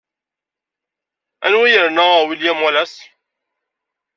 Anwa ay yerna William Wallace?